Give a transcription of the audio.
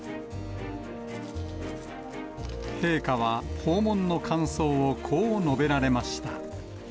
陛下は、訪問の感想を、こう述べられました。